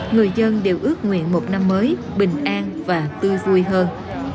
người dân đều ước nguyện một năm mới bình an và tươi vui hơn